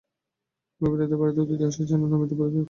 গভীর রাতে বাড়িতে অতিথি আসা যেন নৈমিত্তিক ব্যাপার।